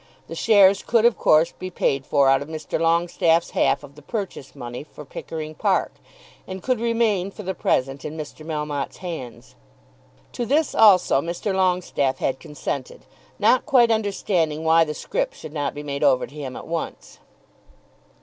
The shares could of course be paid for out of Mr. Longestaffe's half of the purchase money for Pickering Park, and could remain for the present in Mr. Melmotte's hands. To this also Mr. Longestaffe had consented, not quite understanding why the scrip should not be made over to him at once.